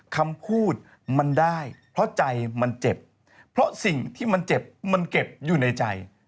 คำพูดมันได้เพราะใจมันเจ็บเพราะสิ่งที่มันเจ็บมันเก็บอยู่ในใจ